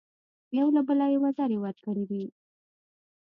یو له بله یې وزرې ورکړې وې.